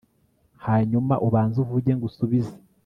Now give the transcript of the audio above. hanyuma ubanze uvuge ngusubize